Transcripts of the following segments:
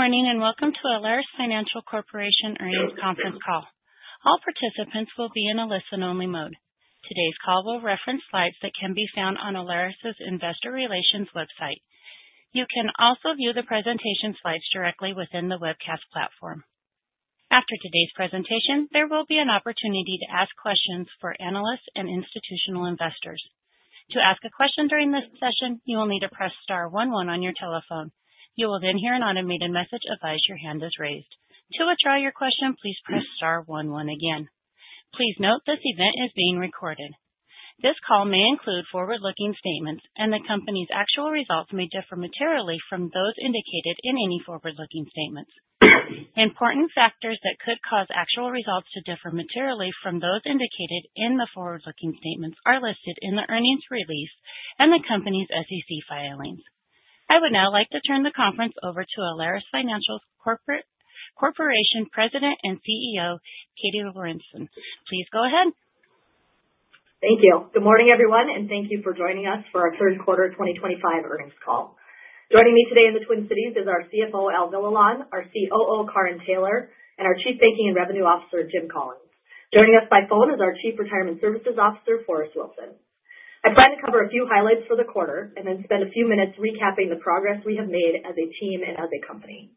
Good morning and welcome to Alerus Financial Corporation Earnings Conference Call. All participants will be in a listen-only mode. Today's call will reference slides that can be found on Alerus's investor relations website. You can also view the presentation slides directly within the webcast platform. After today's presentation, there will be an opportunity to ask questions for analysts and institutional investors. To ask a question during this session, you will need to press star 11 on your telephone. You will then hear an automated message advise your hand is raised. To withdraw your question, please press star 11 again. Please note this event is being recorded. This call may include forward-looking statements, and the company's actual results may differ materially from those indicated in any forward-looking statements. Important factors that could cause actual results to differ materially from those indicated in the forward-looking statements are listed in the earnings release and the company's SEC filings. I would now like to turn the conference over to Alerus Financial Corporation President and CEO, Katie Lorenson. Please go ahead. Thank you. Good morning, everyone, and thank you for joining us for our third quarter 2025 Earnings Call. Joining me today in the Twin Cities is our CFO, Al Villalon, our COO, Karin Taylor, and our Chief Banking and Revenue Officer, Jim Collins. Joining us by phone is our Chief Retirement Services Officer, Forrest Wilson. I plan to cover a few highlights for the quarter and then spend a few minutes recapping the progress we have made as a team and as a company.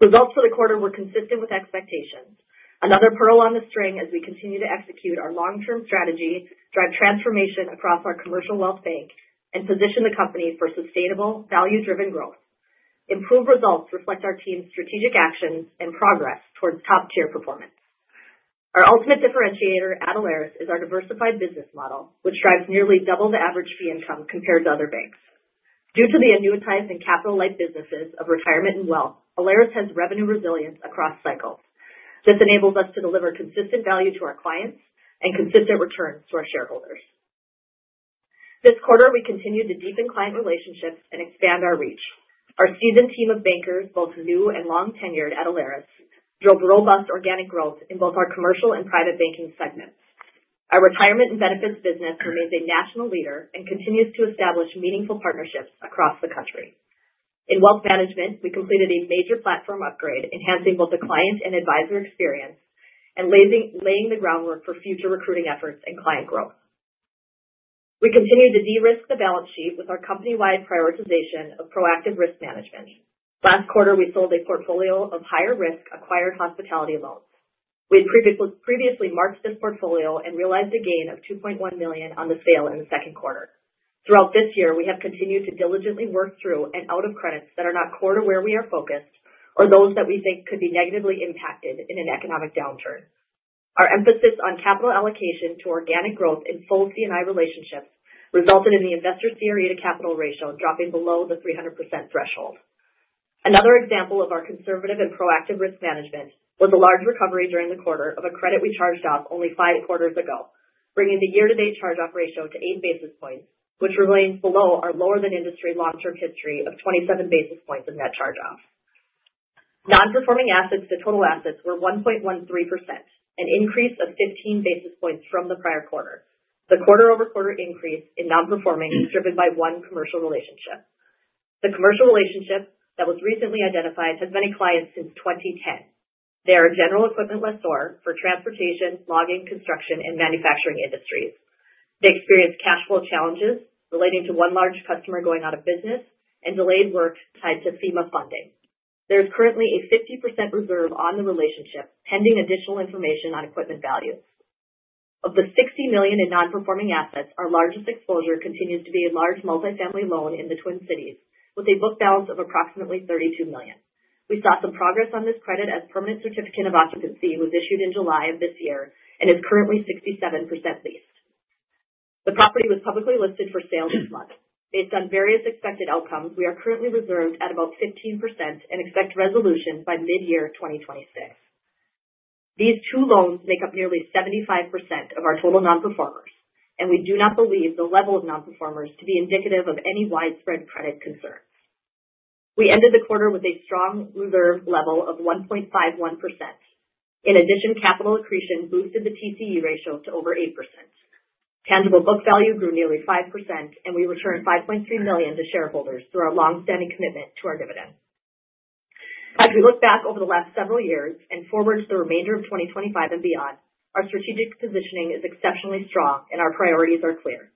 Results for the quarter were consistent with expectations. Another pearl on the string as we continue to execute our long-term strategy, drive transformation across our commercial wealth bank, and position the company for sustainable, value-driven growth. Improved results reflect our team's strategic actions and progress towards top-tier performance. Our ultimate differentiator at Alerus is our diversified business model, which drives nearly double the average fee income compared to other banks. Due to the annuitized and capital-like businesses of retirement and wealth, Alerus has revenue resilience across cycles. This enables us to deliver consistent value to our clients and consistent returns to our shareholders. This quarter, we continue to deepen client relationships and expand our reach. Our seasoned team of bankers, both new and long-tenured at Alerus, drove robust organic growth in both our commercial and private banking segments. Our retirement and benefits business remains a national leader and continues to establish meaningful partnerships across the country. In wealth management, we completed a major platform upgrade, enhancing both the client and advisor experience and laying the groundwork for future recruiting efforts and client growth. We continue to de-risk the balance sheet with our company-wide prioritization of proactive risk management. Last quarter, we sold a portfolio of higher-risk acquired hospitality loans. We had previously marked this portfolio and realized a gain of $2.1 million on the sale in the second quarter. Throughout this year, we have continued to diligently work through and out of credits that are not core to where we are focused or those that we think could be negatively impacted in an economic downturn. Our emphasis on capital allocation to organic growth in full C&I relationships resulted in the Investor CRE to capital ratio dropping below the 300% threshold. Another example of our conservative and proactive risk management was a large recovery during the quarter of a credit we charged off only five quarters ago, bringing the year-to-date charge-off ratio to eight basis points, which remains below our lower-than-industry long-term history of 27 basis points of net charge-off. Non-performing assets to total assets were 1.13%, an increase of 15 basis points from the prior quarter. The quarter-over-quarter increase in non-performing is driven by one commercial relationship. The commercial relationship that was recently identified has many clients since 2010. They are a general equipment lessor for transportation, logging, construction, and manufacturing industries. They experienced cash flow challenges relating to one large customer going out of business and delayed work tied to FEMA funding. There is currently a 50% reserve on the relationship, pending additional information on equipment values. Of the $60 million in non-performing assets, our largest exposure continues to be a large multifamily loan in the Twin Cities with a book balance of approximately $32 million. We saw some progress on this credit as a permanent certificate of occupancy was issued in July of this year and is currently 67% leased. The property was publicly listed for sale this month. Based on various expected outcomes, we are currently reserved at about 15% and expect resolution by mid-year 2026. These two loans make up nearly 75% of our total non-performers, and we do not believe the level of non-performers to be indicative of any widespread credit concerns. We ended the quarter with a strong reserve level of 1.51%. In addition, capital accretion boosted the TCE ratio to over 8%. Tangible book value grew nearly 5%, and we returned $5.3 million to shareholders through our longstanding commitment to our dividends. As we look back over the last several years and forward to the remainder of 2025 and beyond, our strategic positioning is exceptionally strong, and our priorities are clear.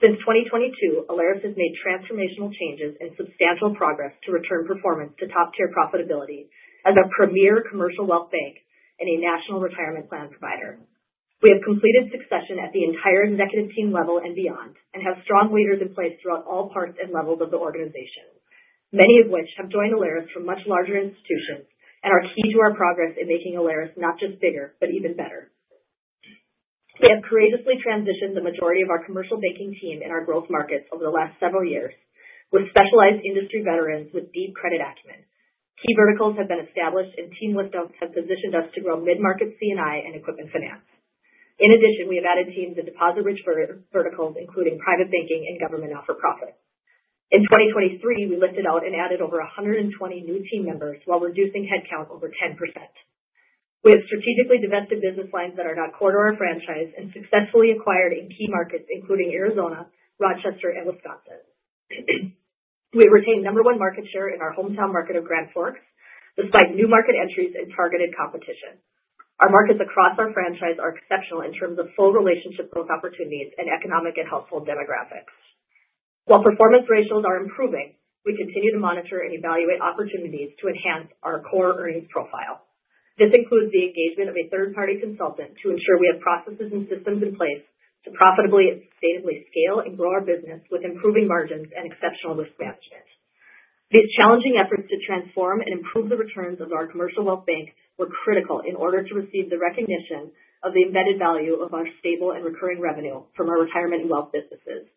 Since 2022, Alerus has made transformational changes and substantial progress to return performance to top-tier profitability as a premier commercial wealth bank and a national retirement plan provider. We have completed succession at the entire executive team level and beyond and have strong leaders in place throughout all parts and levels of the organization, many of which have joined Alerus from much larger institutions and are key to our progress in making Alerus not just bigger, but even better. We have courageously transitioned the majority of our commercial banking team in our growth markets over the last several years with specialized industry veterans with deep credit acumen. Key verticals have been established, and team lift-outs have positioned us to grow mid-market C&I and equipment finance. In addition, we have added teams in deposit-rich verticals, including private banking and government not-for-profit. In 2023, we lifted out and added over 120 new team members while reducing headcount over 10%. We have strategically divested business lines that are not core to our franchise and successfully acquired in key markets including Arizona, Rochester, and Wisconsin. We retain number one market share in our hometown market of Grand Forks, despite new market entries and targeted competition. Our markets across our franchise are exceptional in terms of full relationship growth opportunities and economic and household demographics. While performance ratios are improving, we continue to monitor and evaluate opportunities to enhance our core earnings profile. This includes the engagement of a third-party consultant to ensure we have processes and systems in place to profitably and sustainably scale and grow our business with improving margins and exceptional risk management. These challenging efforts to transform and improve the returns of our commercial wealth bank were critical in order to receive the recognition of the embedded value of our stable and recurring revenue from our retirement and wealth businesses.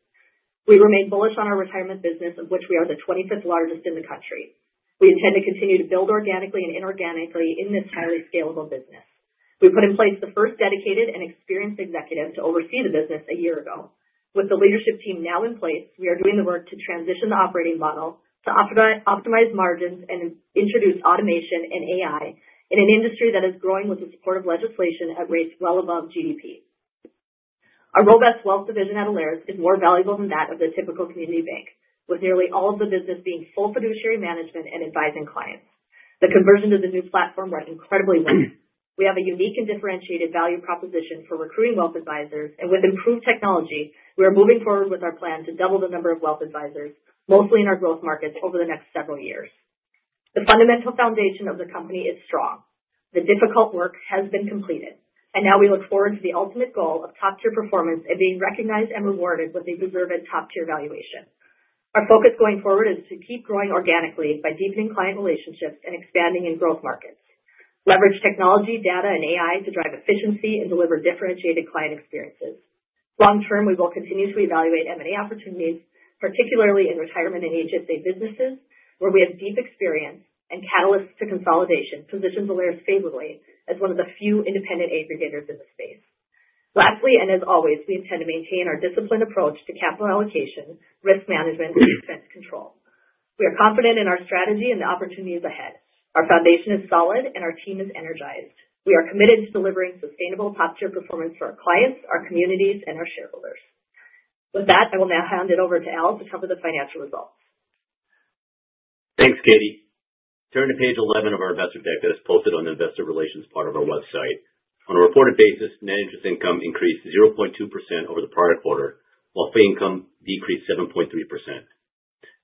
We remain bullish on our retirement business, of which we are the 25th largest in the country. We intend to continue to build organically and inorganically in this highly scalable business. We put in place the first dedicated and experienced executive to oversee the business a year ago. With the leadership team now in place, we are doing the work to transition the operating model to optimize margins and introduce automation and AI in an industry that is growing with the support of legislation at rates well above GDP. Our robust wealth division at Alerus is more valuable than that of the typical community bank, with nearly all of the business being full fiduciary management and advising clients. The conversion to the new platform went incredibly well. We have a unique and differentiated value proposition for recruiting wealth advisors, and with improved technology, we are moving forward with our plan to double the number of wealth advisors, mostly in our growth markets, over the next several years. The fundamental foundation of the company is strong. The difficult work has been completed, and now we look forward to the ultimate goal of top-tier performance and being recognized and rewarded with a deserved top-tier valuation. Our focus going forward is to keep growing organically by deepening client relationships and expanding in growth markets. Leverage technology, data, and AI to drive efficiency and deliver differentiated client experiences. Long-term, we will continue to evaluate M&A opportunities, particularly in retirement and HSA businesses, where we have deep experience and catalysts to consolidation, positioning Alerus favorably as one of the few independent aggregators in the space. Lastly, and as always, we intend to maintain our disciplined approach to capital allocation, risk management, and expense control. We are confident in our strategy and the opportunities ahead. Our foundation is solid, and our team is energized. We are committed to delivering sustainable top-tier performance for our clients, our communities, and our shareholders. With that, I will now hand it over to Al to cover the financial results. Thanks, Katie. Turning to page 11 of our investor deck posted on the investor relations part of our website. On a reported basis, net interest income increased 0.2% over the prior quarter, while fee income decreased 7.3%.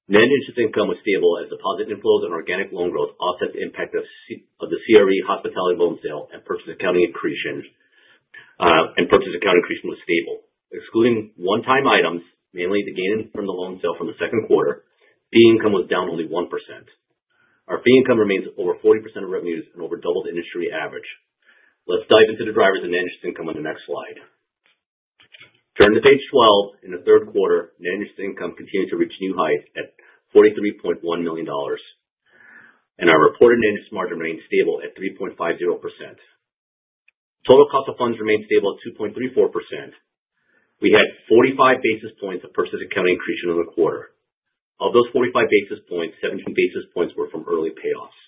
Net interest income was stable as deposit inflows and organic loan growth offset the impact of the CRE hospitality loan sale and purchase accounting accretion, and purchase accounting accretion was stable. Excluding one-time items, mainly the gain from the loan sale from the second quarter, fee income was down only 1%. Our fee income remains over 40% of revenues and over double the industry average. Let's dive into the drivers of net interest income on the next slide. Turning to page 12, in the third quarter, net interest income continued to reach new heights at $43.1 million, and our reported net interest margin remained stable at 3.50%. Total cost of funds remained stable at 2.34%. We had 45 basis points of purchase accounting accretion in the quarter. Of those 45 basis points, 17 basis points were from early payoffs.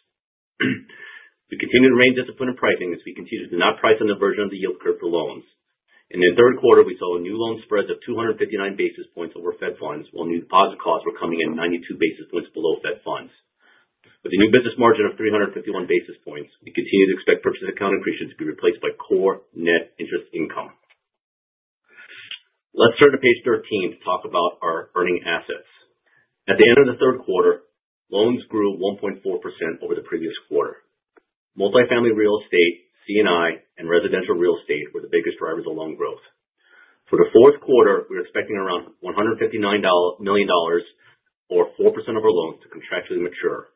We continued to remain disciplined in pricing as we continued to not price on the inversion of the yield curve for loans. In the third quarter, we saw new loan spreads of 259 basis points over Fed funds, while new deposit costs were coming in 92 basis points below Fed funds. With a new business margin of 351 basis points, we continue to expect purchase accounting accretion to be replaced by core net interest income. Let's turn to page 13 to talk about our earning assets. At the end of the third quarter, loans grew 1.4% over the previous quarter. Multifamily Real Estate, C&I, and Residential Real Estate were the biggest drivers of loan growth. For the fourth quarter, we're expecting around $159 million, or 4% of our loans, to contractually mature.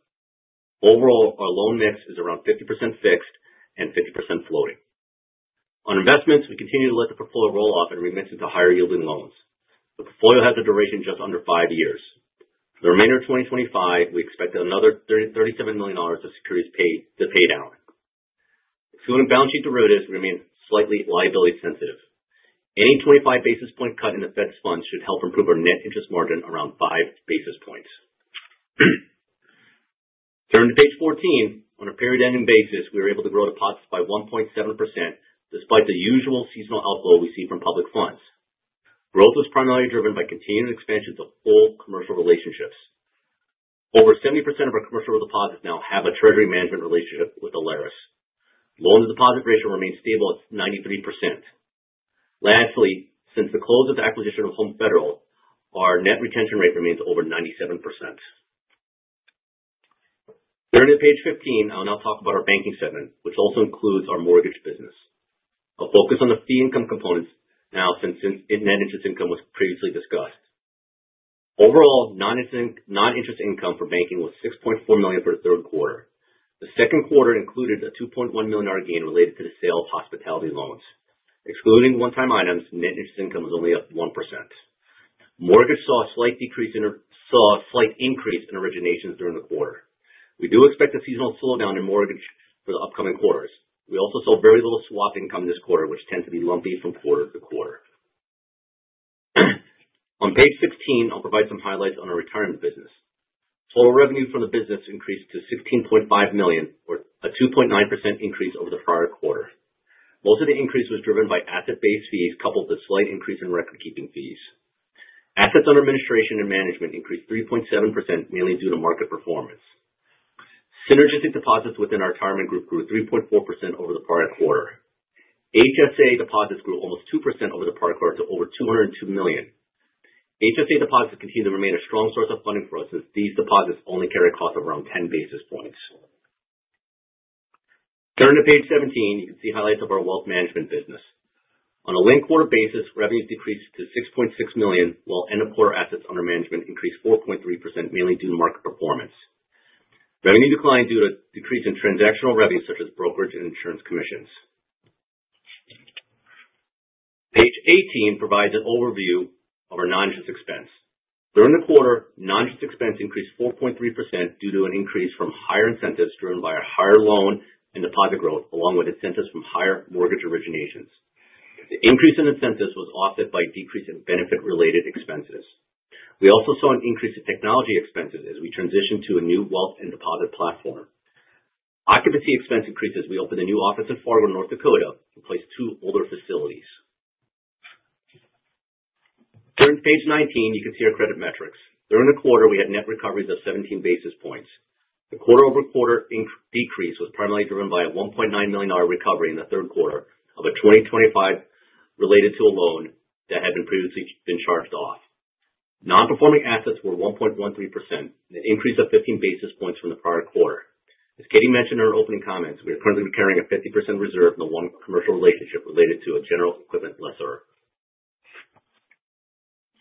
Overall, our loan mix is around 50% fixed and 50% floating. On investments, we continue to let the portfolio roll off and reinvest into higher-yielding loans. The portfolio has a duration just under five years. For the remainder of 2025, we expect another $37 million of securities to pay down. Excluding balance sheet derivatives, we remain slightly liability sensitive. Any 25 basis point cut in the Fed funds should help improve our net interest margin around five basis points. Turning to page 14, on a period-ending basis, we were able to grow deposits by 1.7% despite the usual seasonal outflow we see from public funds. Growth was primarily driven by continued expansion of full commercial relationships. Over 70% of our commercial deposits now have a treasury management relationship with Alerus. Loan-to-deposit ratio remains stable at 93%. Lastly, since the close of the acquisition of Home Federal, our net retention rate remains over 97%. Turning to page 15, I'll now talk about our banking segment, which also includes our mortgage business. I'll focus on the fee income components now since net interest income was previously discussed. Overall, non-interest income for banking was $6.4 million for the third quarter. The second quarter included a $2.1 million gain related to the sale of hospitality loans. Excluding one-time items, net interest income was only up 1%. Mortgage saw a slight decrease in originations during the quarter. We do expect a seasonal slowdown in mortgage for the upcoming quarters. We also saw very little swap income this quarter, which tends to be lumpy from quarter to quarter. On page 16, I'll provide some highlights on our retirement business. Total revenue from the business increased to $16.5 million, or a 2.9% increase over the prior quarter. Most of the increase was driven by asset-based fees coupled with a slight increase in record-keeping fees. Assets under administration and management increased 3.7%, mainly due to market performance. Synergistic deposits within our retirement group grew 3.4% over the prior quarter. HSA deposits grew almost 2% over the prior quarter to over $202 million. HSA deposits continue to remain a strong source of funding for us since these deposits only carry a cost of around 10 basis points. Turning to page 17, you can see highlights of our Wealth Management Business. On a linked quarter basis, revenues decreased to $6.6 million, while end-of-quarter assets under management increased 4.3%, mainly due to market performance. Revenue declined due to a decrease in transactional revenue, such as brokerage and insurance commissions. Page 18 provides an overview of our non-interest expense. During the quarter, non-interest expense increased 4.3% due to an increase from higher incentives driven by our higher loan and deposit growth, along with incentives from higher mortgage originations. The increase in incentives was offset by a decrease in benefit-related expenses. We also saw an increase in technology expenses as we transitioned to a new wealth and deposit platform. Occupancy expense increased as we opened a new office in Fargo, North Dakota, and leased two older facilities. Turning to page 19, you can see our credit metrics. During the quarter, we had net recoveries of 17 basis points. The quarter-over-quarter decrease was primarily driven by a $1.9 million recovery in the third quarter of 2023 related to a loan that had been previously charged off. Non-performing assets were 1.13%, an increase of 15 basis points from the prior quarter. As Katie mentioned in her opening comments, we are currently carrying a 50% reserve in the one commercial relationship related to a general equipment lessor.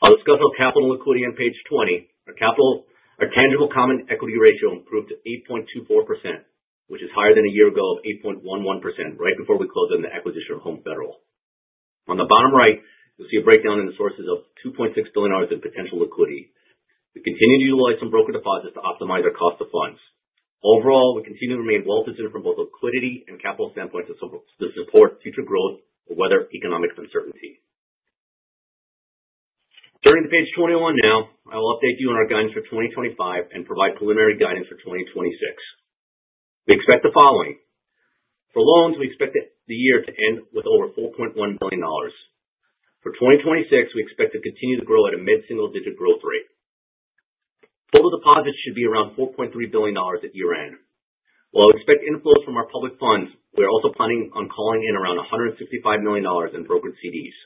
I'll discuss our capital liquidity on page 20. Our tangible common equity ratio improved to 8.24%, which is higher than a year ago of 8.11%, right before we closed the acquisition of Home Federal. On the bottom right, you'll see a breakdown of the sources of $2.6 billion in potential liquidity. We continue to utilize some broker deposits to optimize our cost of funds. Overall, we continue to remain well positioned from both liquidity and capital standpoints to support future growth or weather economic uncertainty. Turning to page 21 now, I'll update you on our guidance for 2025 and provide preliminary guidance for 2026. We expect the following. For loans, we expect the year to end with over $4.1 billion. For 2026, we expect to continue to grow at a mid-single-digit growth rate. Total deposits should be around $4.3 billion at year-end. While we expect inflows from our public funds, we are also planning on calling in around $165 million in brokered CDs.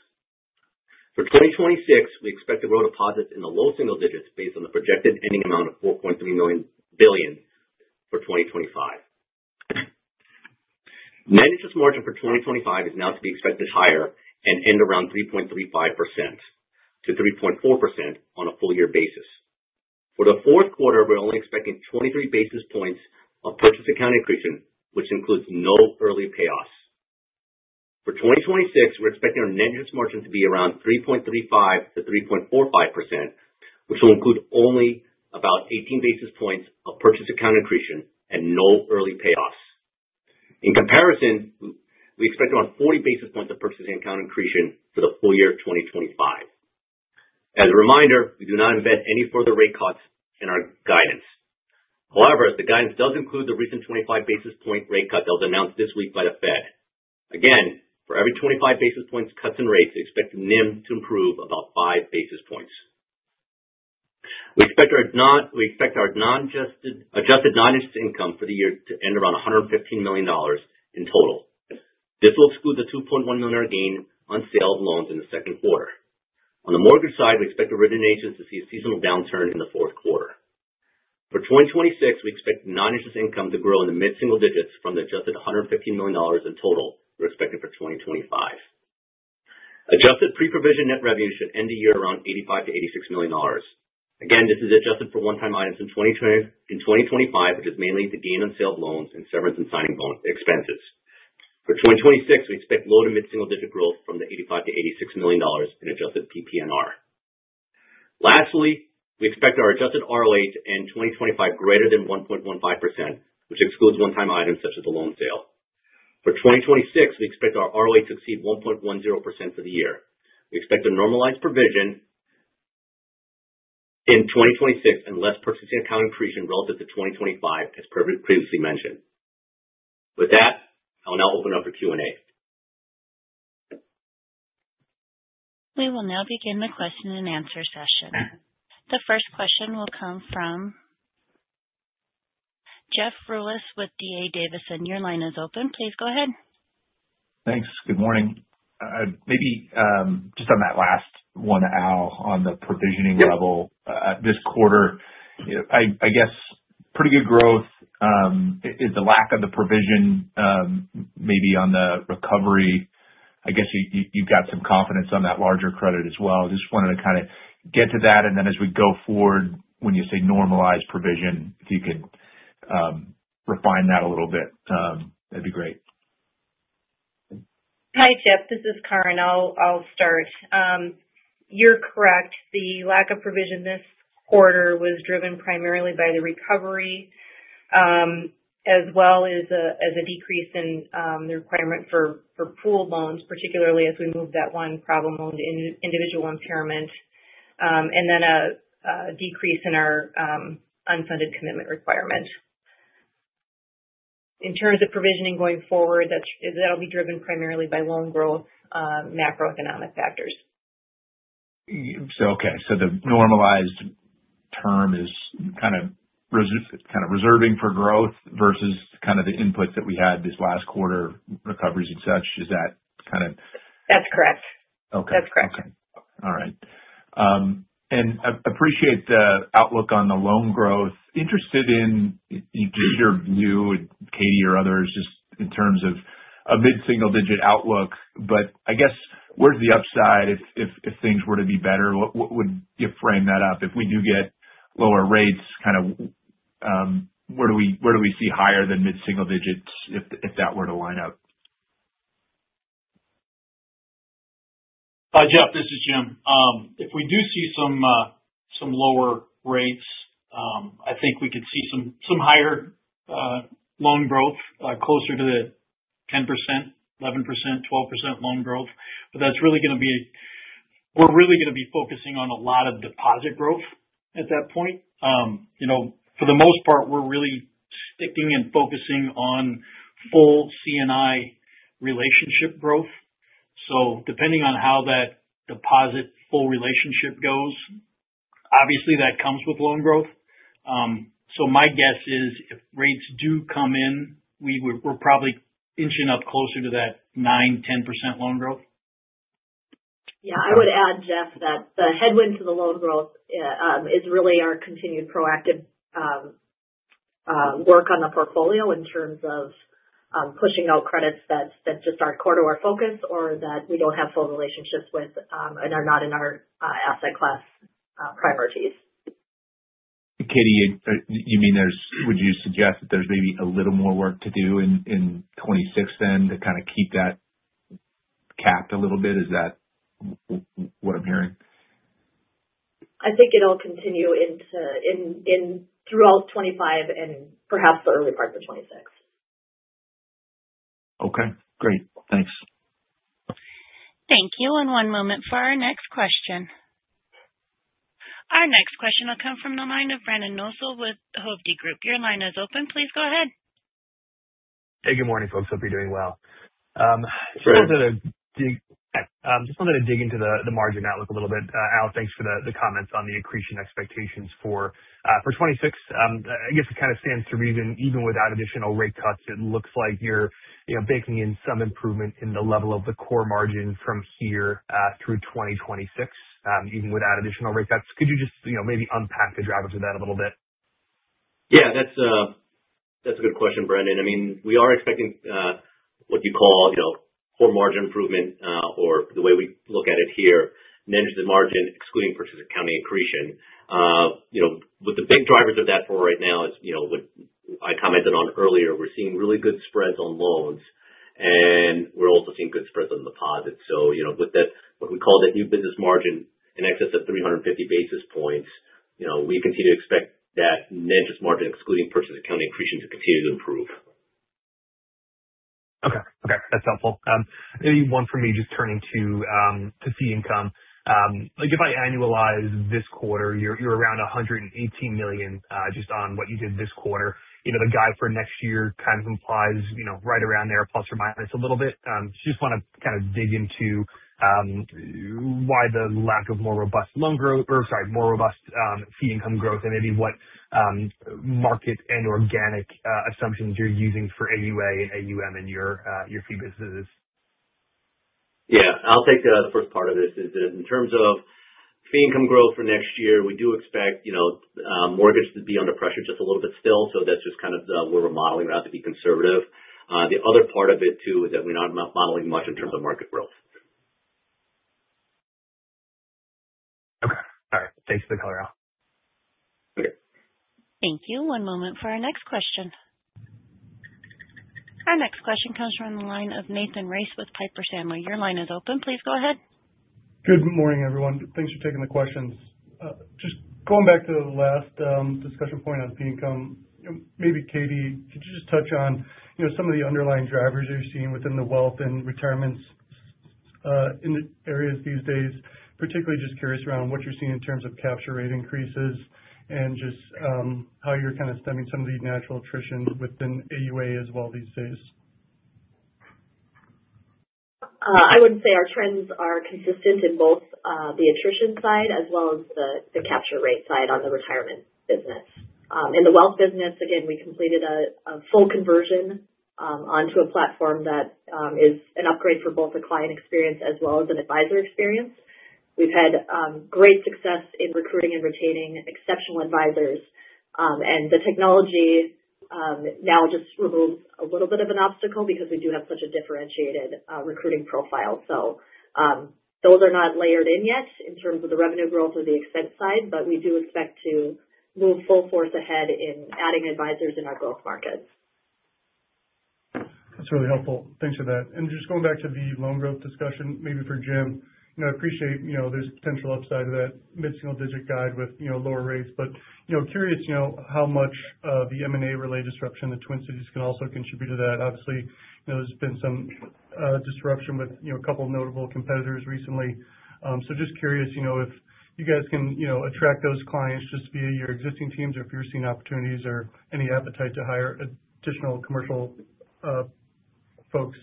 For 2026, we expect to grow deposits in the low single digits based on the projected ending amount of $4.3 billion for 2025. Net interest margin for 2025 is now to be expected higher and end around 3.35%-3.4% on a full-year basis. For the fourth quarter, we're only expecting 23 basis points of purchase accounting accretion, which includes no early payoffs. For 2026, we're expecting our net interest margin to be around 3.35%-3.45%, which will include only about 18 basis points of purchase accounting accretion and no early payoffs. In comparison, we expect around 40 basis points of purchase accounting accretion for the full year 2025. As a reminder, we do not include any further rate cuts in our guidance. However, if the guidance does include the recent 25 basis point rate cut that was announced this week by the Fed, again, for every 25 basis points cut in rates, we expect the NIM to improve about five basis points. We expect our adjusted non-interest income for the year to end around $115 million in total. This will exclude the $2.1 million gain on sales of loans in the second quarter. On the mortgage side, we expect originations to see a seasonal downturn in the fourth quarter. For 2026, we expect non-interest income to grow in the mid-single digits from the adjusted $115 million in total we're expecting for 2025. Adjusted pre-provision net revenue should end the year around $85 million-$86 million. Again, this is adjusted for one-time items in 2025, which is mainly the gain on sales of loans and severance and signing expenses. For 2026, we expect low to mid-single-digit growth from the $85 million-$86 million in adjusted PP&R. Lastly, we expect our adjusted ROA to end 2025 greater than 1.15%, which excludes one-time items such as the loan sale. For 2026, we expect our ROA to exceed 1.10% for the year. We expect a normalized provision in 2026 and less purchase accounting accretion relative to 2025, as previously mentioned. With that, I'll now open up for Q&A. We will now begin the question and answer session. The first question will come from Jeff Rulis with D.A. Davidson. Your line is open. Please go ahead. Thanks. Good morning. Maybe just on that last one, Al, on the provisioning level this quarter, I guess pretty good growth. The lack of the provision maybe on the recovery, I guess you've got some confidence on that larger credit as well. I just wanted to kind of get to that, and then as we go forward, when you say normalized provision, if you can refine that a little bit, that'd be great. Hi, Jeff. This is Karin. I'll start. You're correct. The lack of provision this quarter was driven primarily by the recovery, as well as a decrease in the requirement for pool loans, particularly as we moved that one problem onto individual impairment, and then a decrease in our unfunded commitment requirement. In terms of provisioning going forward, that'll be driven primarily by loan growth, macroeconomic factors. The normalized term is kind of reserving for growth versus kind of the inputs that we had this last quarter, recoveries and such. Is that kind of? That's correct. That's correct. Okay. All right, and I appreciate the outlook on the loan growth. Interested in just your view, Katie or others, just in terms of a mid-single-digit outlook. But I guess where's the upside if things were to be better? What would you frame that up? If we do get lower rates, kind of where do we see higher than mid-single digits if that were to line up? Hi, Jeff. This is Jim. If we do see some lower rates, I think we could see some higher loan growth, closer to the 10%-12% loan growth. But that's really going to be, we're really going to be focusing on a lot of deposit growth at that point. For the most part, we're really sticking and focusing on full C&I relationship growth. So depending on how that deposit full relationship goes, obviously, that comes with loan growth. So my guess is if rates do come in, we're probably inching up closer to that 9-10% loan growth. Yeah. I would add, Jeff, that the headwind to the loan growth is really our continued proactive work on the portfolio in terms of pushing out credits that just aren't core to our focus or that we don't have full relationships with and are not in our asset class priorities. Katie, would you suggest that there's maybe a little more work to do in 2026 then to kind of keep that capped a little bit? Is that what I'm hearing? I think it'll continue throughout 2025 and perhaps the early part of 2026. Okay. Great. Thanks. Thank you. And one moment for our next question. Our next question will come from the line of Brendan Nosal with Hovde Group. Your line is open. Please go ahead. Hey, good morning, folks. Hope you're doing well. Sure. Just wanted to dig into the margin outlook a little bit. Al, thanks for the comments on the accretion expectations for 2026. I guess it kind of stands to reason. Even without additional rate cuts, it looks like you're baking in some improvement in the level of the core margin from here through 2026, even without additional rate cuts. Could you just maybe unpack the driver to that a little bit? Yeah. That's a good question, Brendan. I mean, we are expecting what you call core margin improvement or the way we look at it here, net interest margin excluding purchase accounting accretion. With the big drivers of that for right now, as I commented on earlier, we're seeing really good spreads on loans, and we're also seeing good spreads on deposits. So with what we call that new business margin in excess of 350 basis points, we continue to expect that net interest margin excluding purchase accounting accretion to continue to improve. Okay. Okay. That's helpful. Maybe one for me just turning to fee income. If I annualize this quarter, you're around $118 million just on what you did this quarter. The guide for next year kind of implies right around there, plus or minus a little bit. Just want to kind of dig into why the lack of more robust loan growth or, sorry, more robust fee income growth and maybe what market and organic assumptions you're using for AUA and AUM in your fee businesses. Yeah. I'll take the first part of this is that in terms of fee income growth for next year, we do expect mortgages to be under pressure just a little bit still, so that's just kind of where we're modeling around to be conservative. The other part of it, too, is that we're not modeling much in terms of market growth. Okay. All right. Thanks for the intro. Okay. Thank you. One moment for our next question. Our next question comes from the line of Nathan Race with Piper Sandler. Your line is open. Please go ahead. Good morning, everyone. Thanks for taking the questions. Just going back to the last discussion point on fee income, maybe Katie, could you just touch on some of the underlying drivers you're seeing within the wealth and retirements in the areas these days? Particularly just curious around what you're seeing in terms of capture rate increases and just how you're kind of stemming some of the natural attrition within AUA as well these days. I would say our trends are consistent in both the attrition side as well as the capture rate side on the retirement business. In the wealth business, again, we completed a full conversion onto a platform that is an upgrade for both a client experience as well as an advisor experience. We've had great success in recruiting and retaining exceptional advisors, and the technology now just removes a little bit of an obstacle because we do have such a differentiated recruiting profile, so those are not layered in yet in terms of the revenue growth or the expense side, but we do expect to move full force ahead in adding advisors in our growth markets. That's really helpful. Thanks for that. And just going back to the loan growth discussion, maybe for Jim, I appreciate there's potential upside to that mid-single-digit guide with lower rates. But curious how much of the M&A-related disruption in the Twin Cities can also contribute to that. Obviously, there's been some disruption with a couple of notable competitors recently. So just curious if you guys can attract those clients just via your existing teams or if you're seeing opportunities or any appetite to hire additional commercial folks.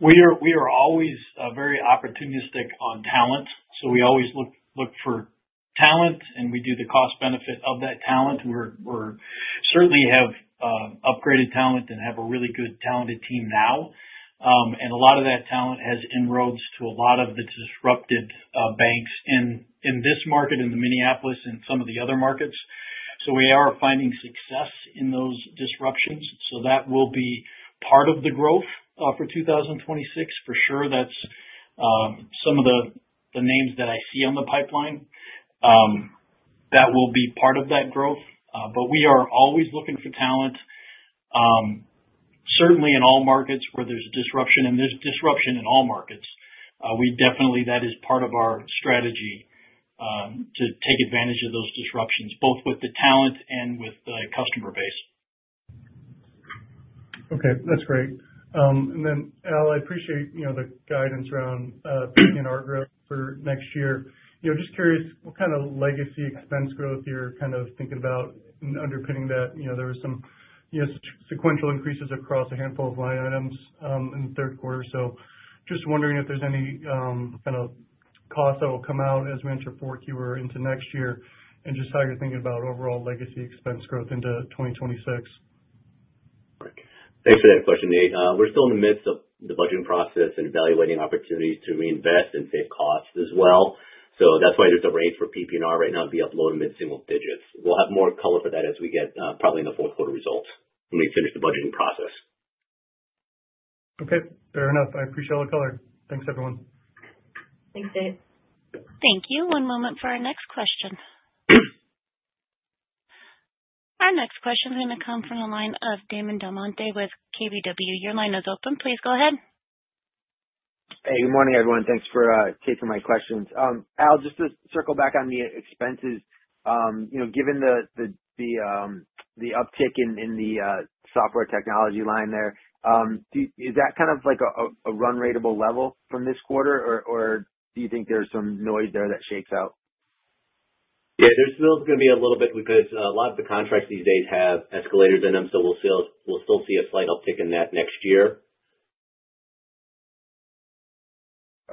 We are always very opportunistic on talent. So we always look for talent, and we do the cost-benefit of that talent. We certainly have upgraded talent and have a really good talented team now. And a lot of that talent has inroads to a lot of the disruptive banks in this market, in the Minneapolis, and some of the other markets. So we are finding success in those disruptions. So that will be part of the growth for 2026. For sure, that's some of the names that I see on the pipeline. That will be part of that growth. But we are always looking for talent, certainly in all markets where there's disruption. And there's disruption in all markets. Definitely, that is part of our strategy to take advantage of those disruptions, both with the talent and with the customer base. Okay. That's great. And then, Al, I appreciate the guidance around our growth for next year. Just curious what kind of legacy expense growth you're kind of thinking about and underpinning that? There were some sequential increases across a handful of line items in the third quarter. So just wondering if there's any kind of costs that will come out as we enter fourth quarter into next year and just how you're thinking about overall legacy expense growth into 2026? Thanks for that question, Nate. We're still in the midst of the budgeting process and evaluating opportunities to reinvest and save costs as well. So that's why there's a range for PP&R right now to be up low to mid-single digits. We'll have more color for that as we get probably in the fourth quarter results when we finish the budgeting process. Okay. Fair enough. I appreciate all the color. Thanks, everyone. Thanks, Nate. Thank you. One moment for our next question. Our next question is going to come from the line of Damon Del Monte with KBW. Your line is open. Please go ahead. Hey, good morning, everyone. Thanks for taking my questions. Al, just to circle back on the expenses, given the uptick in the software technology line there, is that kind of like a run-ratable level from this quarter, or do you think there's some noise there that shakes out? Yeah. There's still going to be a little bit because a lot of the contracts these days have escalators in them, so we'll still see a slight uptick in that next year.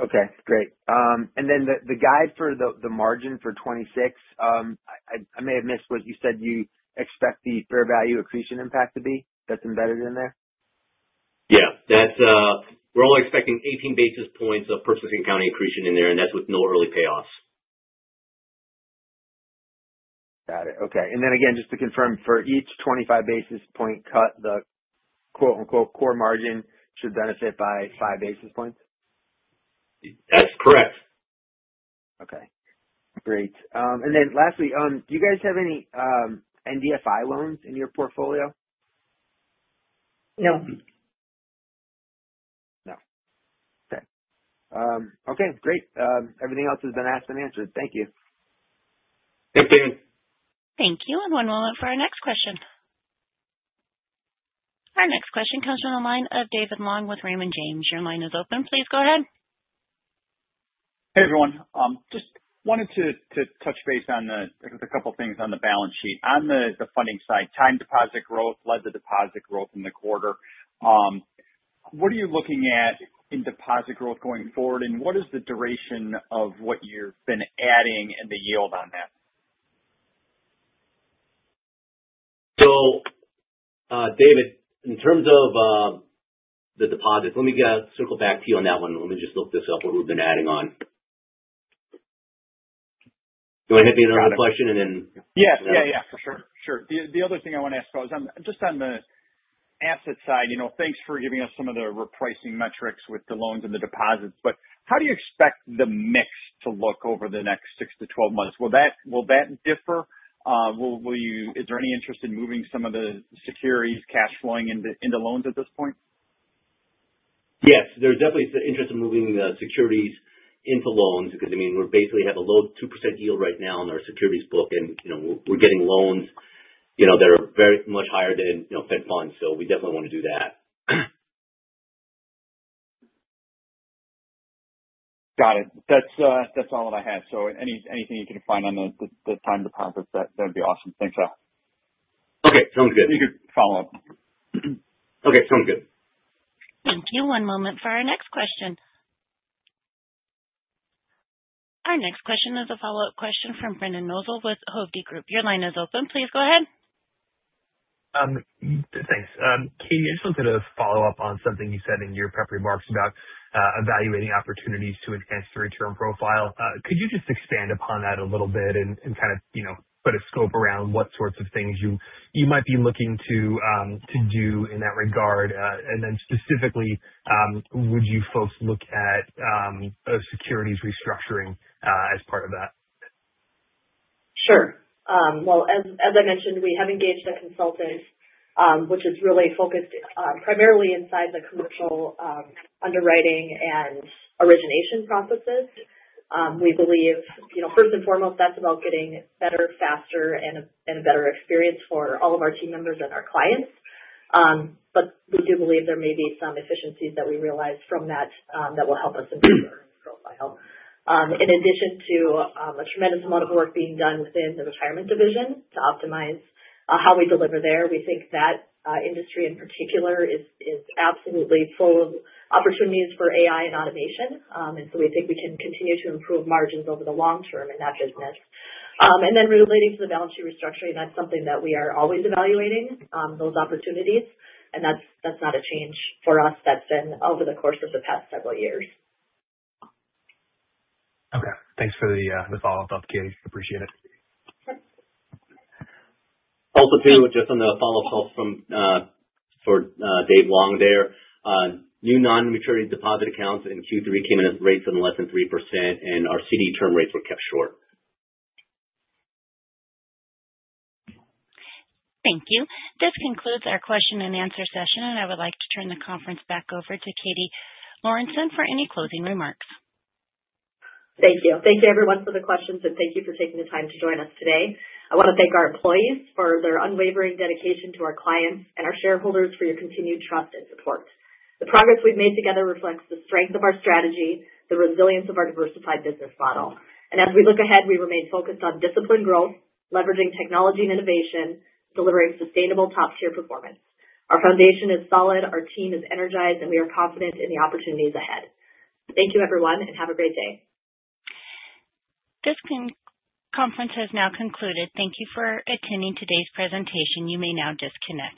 Okay. Great. And then the guide for the margin for 2026, I may have missed what you said you expect the fair value accretion impact to be. That's embedded in there? Yeah. We're only expecting 18 basis points of purchase accounting accretion in there, and that's with no early payoffs. Got it. Okay. And then again, just to confirm, for each 25 basis point cut, the "core margin" should benefit by 5 basis points? That's correct. Okay. Great. And then lastly, do you guys have any NDFI loans in your portfolio? No. No. Okay. Okay. Great. Everything else has been asked and answered. Thank you. Thank you. Thank you. And one moment for our next question. Our next question comes from the line of David Long with Raymond James. Your line is open. Please go ahead. Hey, everyone. Just wanted to touch base on a couple of things on the balance sheet. On the funding side, time deposit growth led to deposit growth in the quarter. What are you looking at in deposit growth going forward, and what is the duration of what you've been adding and the yield on that? So David, in terms of the deposit, let me circle back to you on that one. Let me just look this up, what we've been adding on. Do you want to hit me with another question and then? Yes. Yeah, yeah. For sure. Sure. The other thing I want to ask about is just on the asset side, thanks for giving us some of the repricing metrics with the loans and the deposits. But how do you expect the mix to look over the next six to 12 months? Will that differ? Is there any interest in moving some of the securities cash flowing into loans at this point? Yes. There's definitely interest in moving the securities into loans because, I mean, we basically have a low 2% yield right now in our securities book, and we're getting loans that are very much higher than Fed Funds. So we definitely want to do that. Got it. That's all that I have. So anything you can find on the time deposits, that'd be awesome. Thanks, Al. Okay. Sounds good. We could follow up. Okay. Sounds good. Thank you. One moment for our next question. Our next question is a follow-up question from Brendan Nosal with Hovde Group. Your line is open. Please go ahead. Thanks. Katie, I just wanted to follow up on something you said in your prep remarks about evaluating opportunities to enhance the return profile. Could you just expand upon that a little bit and kind of put a scope around what sorts of things you might be looking to do in that regard? And then specifically, would you folks look at a securities restructuring as part of that? Sure. Well, as I mentioned, we have engaged a consultant, which is really focused primarily inside the commercial underwriting and origination processes. We believe, first and foremost, that's about getting better, faster, and a better experience for all of our team members and our clients. But we do believe there may be some efficiencies that we realize from that that will help us improve our profile. In addition to a tremendous amount of work being done within the retirement division to optimize how we deliver there, we think that industry in particular is absolutely full of opportunities for AI and automation. And so we think we can continue to improve margins over the long term in that business. And then relating to the balance sheet restructuring, that's something that we are always evaluating, those opportunities. That's not a change for us that's been over the course of the past several years. Okay. Thanks for the follow-up update. Appreciate it. Also, too, just on the follow-up help from David Long there, new non-maturity deposit accounts in Q3 came in at rates of less than 3%, and our CD term rates were kept short. Thank you. This concludes our question and answer session, and I would like to turn the conference back over to Katie Lorenson for any closing remarks. Thank you. Thank you, everyone, for the questions, and thank you for taking the time to join us today. I want to thank our employees for their unwavering dedication to our clients and our shareholders for your continued trust and support. The progress we've made together reflects the strength of our strategy, the resilience of our diversified business model, and as we look ahead, we remain focused on disciplined growth, leveraging technology and innovation, delivering sustainable top-tier performance. Our foundation is solid, our team is energized, and we are confident in the opportunities ahead. Thank you, everyone, and have a great day. This conference has now concluded. Thank you for attending today's presentation. You may now disconnect.